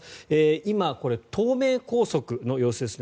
今、これは東名高速の様子ですね。